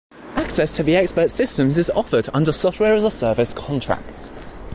Access to the expert systems is offered under software-as-a-service contracts.